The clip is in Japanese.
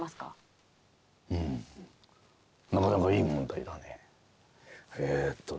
うんなかなかいい問題だね。